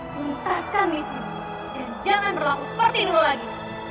tuntaskan misi jangan berlaku seperti dulu lagi